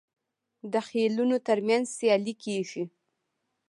د خیلونو ترمنځ سیالي کیږي.